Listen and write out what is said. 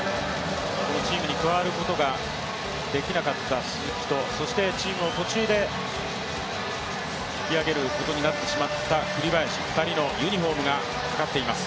このチームに加わることができなかった鈴木とそしてチームを途中で引き上げることになってしまった栗林、２人のユニフォームがかかっています。